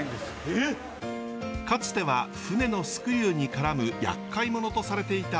かつては船のスクリューに絡むやっかい者とされていたアカモク。